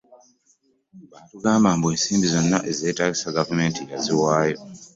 Batugamba mbu ensimbi zonna ezeetaagisa gavumenti yaziwaayo.